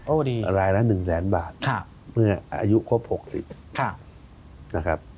โอ้ดีรายละหนึ่งแสนบาทค่ะเมื่ออายุครบหกสิบค่ะนะครับ